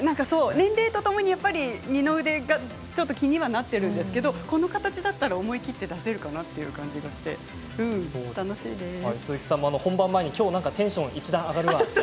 年齢とともに、二の腕が気にはなっているんですけれどこの形だったら思い切って出せるかなという感じがして鈴木さんも本番前にきょうはテンション１段上がるわって。